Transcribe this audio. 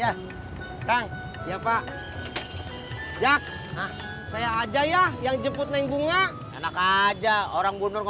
nah aku nggak percaya saya bisa menjemput bunga ya that goodman